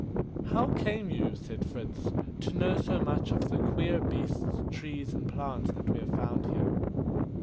"How came you," said Fritz, "to know so much of the queer beasts, trees, and plants that we have found here?"